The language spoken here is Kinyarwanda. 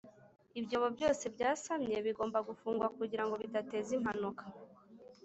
Ibyobo byose byasamye bigomba gufungwa kugira ngo bidateza impanuka